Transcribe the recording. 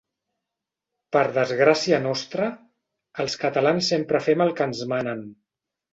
Per desgràcia nostra, els catalans sempre fem el que ens manen.